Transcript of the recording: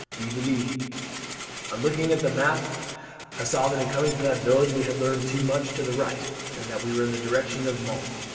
'Vieville.' "On looking at the map, I saw that in coming to that village we had leaned too much to the right, and that we were in the direction of Mons.